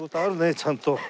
ちゃんと。